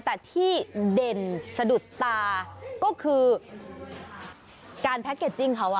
แต่ที่เด่นสะดุดตาก็คือการแพ็คเกจจิ้งเขา